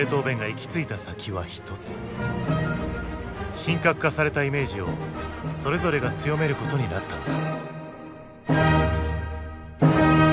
神格化されたイメージをそれぞれが強めることになったのだ。